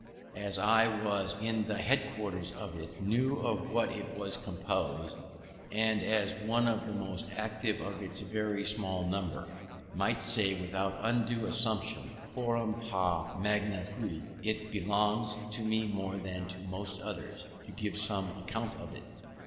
As I was in the headquarters of it, knew of what it was composed, and as one of the most active of its very small number, might say without undue assumption, quorum pars magna fui, it belongs to me more than to most others, to give some account of it.